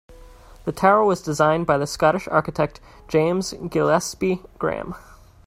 The tower was designed by the Scottish architect James Gillespie Graham.